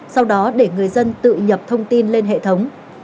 sau đó để người dân tự nhập thông tin lên hệ thống